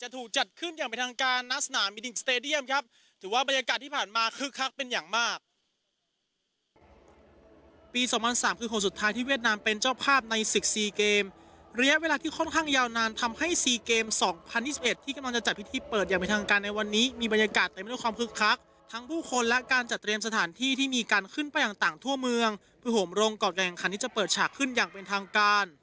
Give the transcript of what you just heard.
ทางทั่วเมืองเพื่อโหมรงค์ก่อนการการขันที่จะเปิดฉากขึ้นอย่างเป็นทางการ